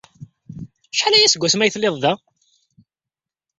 Acḥal aya seg wasmi ay telliḍ da?